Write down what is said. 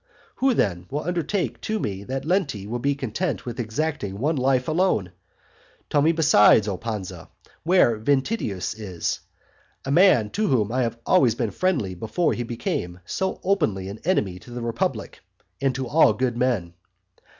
Who, then, will undertake to me that Lenti will be content with exacting one life alone? Tell me besides, O Pansa, where Ventidius is, a man to whom I have always been friendly before he became so openly an enemy to the republic and to all good men.